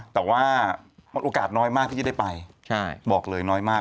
แต่ว่าโอกาสน้อยมากที่จะได้ไปบอกเลยน้อยมาก